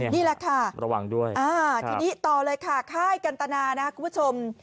นี่แหละค่ะทีนี้ต่อเลยค่ะข้ายกันตนานะครับคุณผู้ชม